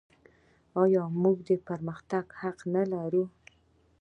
آیا موږ د پرمختګ حق نلرو؟